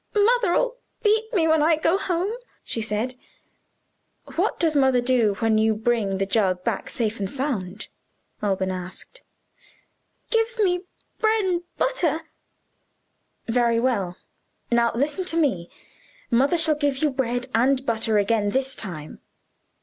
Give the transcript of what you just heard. "Mother'll beat me when I go home," she said. "What does mother do when you bring the jug back safe and sound?" Alban asked. "Gives me bren butter." "Very well. Now listen to me. Mother shall give you bread and butter again this time."